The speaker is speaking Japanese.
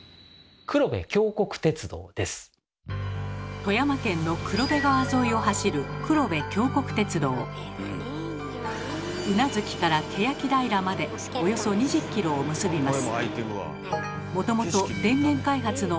富山県の黒部川沿いを走る宇奈月から欅平までおよそ２０ｋｍを結びます。